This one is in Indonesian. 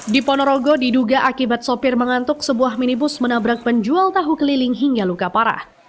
di ponorogo diduga akibat sopir mengantuk sebuah minibus menabrak penjual tahu keliling hingga luka parah